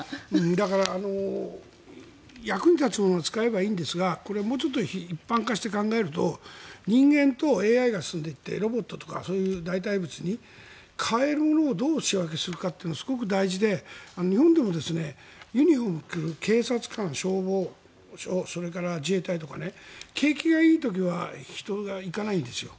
だから役に立つものは使えばいいんですがこれ、もうちょっと一般化して考えると人間とＡＩが進んでいってロボットとかそういう代替物に代えるものをどう仕分けするかというのはすごく大事で日本でもユニホームを着る警察官、消防それから自衛隊とか景気がいい時は人が行かないんですよ。